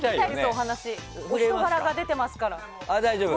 お人柄が出てますから。